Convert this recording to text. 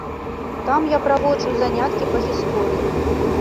Там я праводжу заняткі па гісторыі.